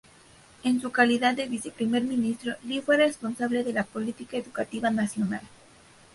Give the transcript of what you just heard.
En su calidad de viceprimer ministro, Li fue responsable de la política educativa nacional.